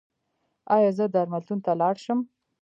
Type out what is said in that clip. ایا زه درملتون ته لاړ شم؟